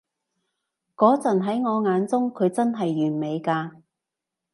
嗰陣喺我眼中，佢真係完美㗎